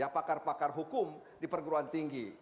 pakar pakar hukum di perguruan tinggi